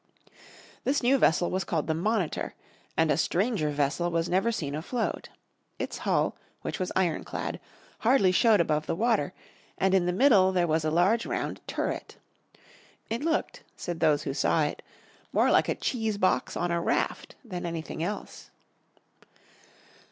This new vessel was called the Monitor, and a stranger vessel was never seen afloat. Its hull, which was ironclad, hardly showed above the water, and in the middle there was a large round turret. It looked, said those who saw it, more like a cheesebox on a raft than anything else.